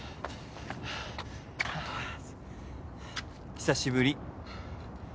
久しぶり。